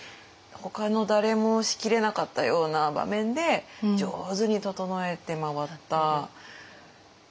ほかの誰も仕切れなかったような場面で上手に整えて回った欠かせない人。